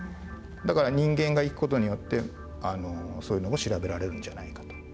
だから人間が行く事によってそういうのも調べられるんじゃないかと。